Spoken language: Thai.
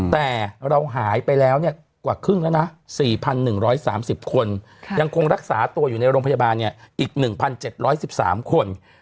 แต่เราหายไปแล้วกว่าครึ่งแล้วนะ๔๑๓๐คนยังคงรักษาตัวอยู่ในโรงพยาบาลอีก๑๗๑๓คน